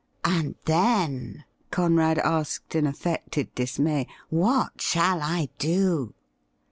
' And then,' Conrad asked in affected dismay, ' what shall I do